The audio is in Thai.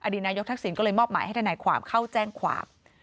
ดีนายกทักษิณก็เลยมอบหมายให้ทนายความเข้าแจ้งความ